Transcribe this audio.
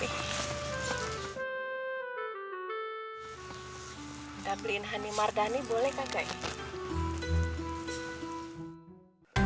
udah beliin honey mardani boleh kakak